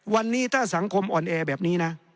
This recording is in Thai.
วันนี้ถ้าสังคมอ่อนแอแบบนี้นะ